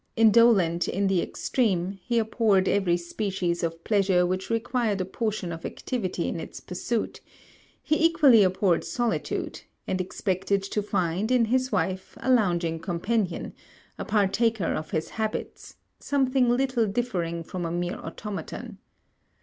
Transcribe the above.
Indolent in the extreme, he abhorred every species of pleasure which required a portion of activity in its pursuit: he equally abhorred solitude; and expected to find, in his wife, a lounging companion; a partaker of his habits; something little differing from a mere automaton.